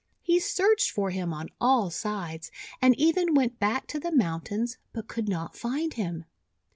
He searched for him on all sides, and even went back to the mountains, but could not find him.